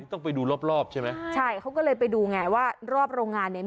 ต้องไปดูรอบรอบใช่ไหมใช่เขาก็เลยไปดูไงว่ารอบโรงงานเนี้ย